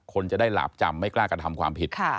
คนจะได้หลาบจำไม่กล้ากระทำความผิด